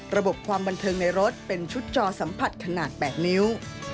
ความบันเทิงในรถเป็นชุดจอสัมผัสขนาด๘นิ้ว